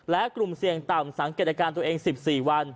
และกลุ่มเสี่ยงต่ำสังเกตอาการตัวเอง๑๔วัน